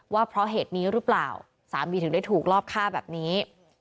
ว่าเพราะเหตุนี้หรือเปล่าสามีถึงได้ถูกรอบฆ่าแบบนี้